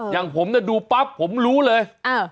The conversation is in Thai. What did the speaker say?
อย่างผมดูปั๊บผมรู้เลย